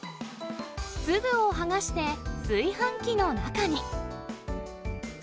粒を剥がして炊飯器の中に。